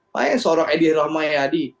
bayang seorang edi rahmayadi